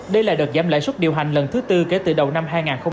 đây là đợt giảm lãi suất điều hành lần thứ tư kể từ đầu năm hai nghìn hai mươi ba